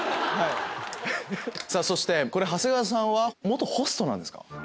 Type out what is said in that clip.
さぁそしてこれ長谷川さんは元ホストなんですか？